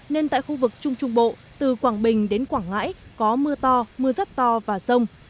nên tại khu vực trung trung bộ từ quảng bình đến quảng ngãi có mưa to mưa rất to và rông